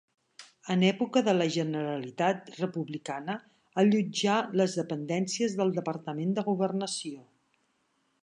En època de la Generalitat republicana allotjà les dependències del Departament de Governació.